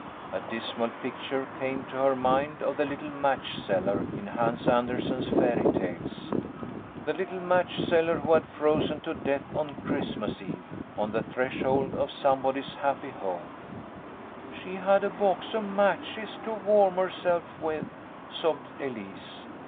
A dismal picture came to her mind of the little match seller in Hans Andersen's fairy tales. The little match seller who had frozen to death on Christ mas eve, on the threshold of somebody's happy home. 190 THE LITTLE COLONEL'S HOLIDAYS. " She had a box of matches to warm herself with," sobbed Elise.